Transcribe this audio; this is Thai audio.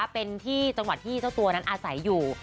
เป็นที่จังหวัดที่เจ้าตัวนั้นอาศัยอยู่